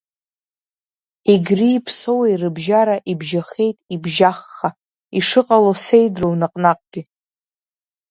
Егри Ԥсоуи рыбжьара ибжьахеит ибжьахха, ишыҟало сеидроу наҟ-наҟгьы.